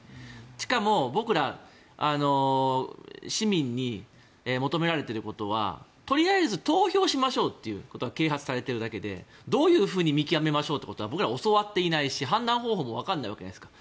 しかも、僕ら市民に求められていることはとりあえず投票しましょうということが啓発されているだけでどういうふうに見極めるか教わっていないし判断方法もわからないわけじゃないですか。